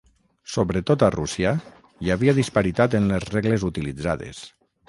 Sobretot a Rússia, hi havia disparitat en les regles utilitzades.